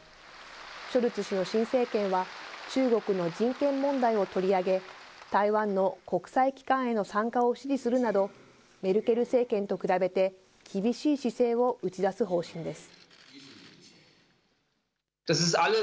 ショルツ氏の新政権は、中国の人権問題を取り上げ、台湾の国際機関への参加を支持するなど、メルケル政権と比べて、厳しい姿勢を打ち出す方針です。